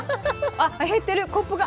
あっ減ってるコップが。